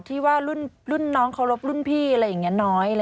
ที่ว่ารุ่นน้องเค้ารบรุ่นพี่อะไรอย่างนี้น้อยอะไรอย่างนี้ค่ะ